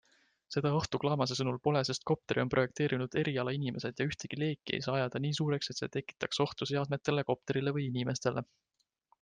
Seda ohtu Klaamase sõnul pole, sest kopteri on projekteerinud erialainimesed ja ühtegi leeki ei saa ajada nii suureks, et see tekitaks ohtu seadmetele, kopterile või inimestele.